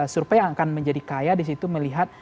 suruh saya akan menjadi kaya di situ melihat